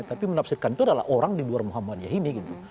tapi menafsirkan itu adalah orang di luar muhammadiyah ini gitu